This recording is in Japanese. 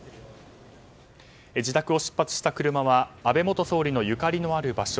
自宅を出発した車は安倍元総理のゆかりのある場所